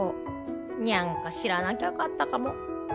にゃんか知らなきゃよかったかも。